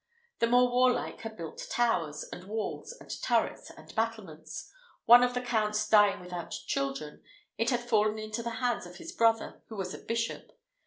The more warlike had built towers, and walls, and turrets, and battlements. One of the counts dying without children, it had fallen into the hands of his brother, who was a bishop.